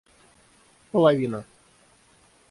половина